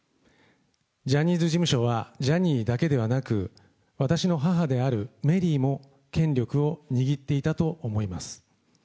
ジャニーズ事務所はジャニーだけではなく、私の母であるメリーも権力を握っていたと思います。